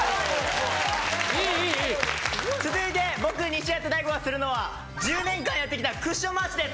続いて僕西畑大吾がするのは１０年間やってきたクッション回しです！